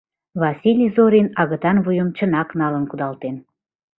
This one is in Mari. Василий Зорин агытан вуйым чынак налын кудалтен.